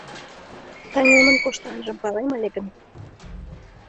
Таҥемын коштанжым палем ыле гын